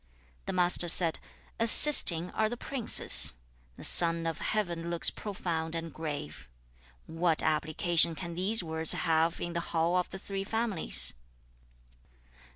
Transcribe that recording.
The Master said, '"Assisting are the princes; the son of heaven looks profound and grave:" what application can these words have in the hall of the three families?'